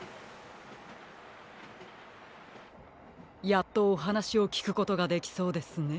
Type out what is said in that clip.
やっとおはなしをきくことができそうですね。